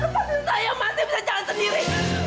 lepas yang saya yang mati bisa jalan sendiri